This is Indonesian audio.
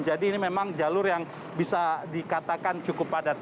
jadi ini memang jalur yang bisa dikatakan cukup padat